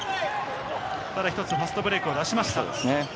ただ一つ、ファストブレイクを出しました。